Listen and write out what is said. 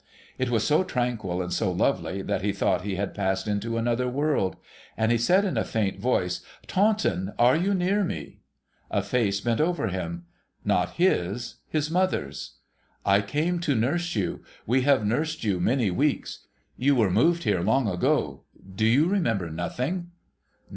It was so tranquil and so lovely that he thought he had passed into another world. And he said in a faint voice, ' Taunton, are you near me ?' A face bent over him. Not his, his mother's. ' I came to nurse you. We have nursed you many weeks. You were moved here long ago. Do you remember nothing